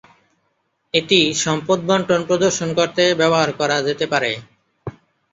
এটি সম্পদ বণ্টন প্রদর্শন করতে ব্যবহার করা যেতে পারে।